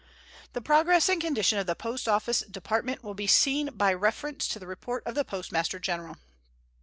The progress and condition of the Post Office Department will be seen by reference to the report of the Postmaster General.